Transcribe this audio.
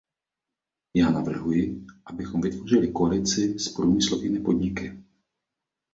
Já navrhuji, abychom vytvořili koalici s průmyslovými podniky.